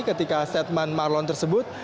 ketika statement marlon tersebut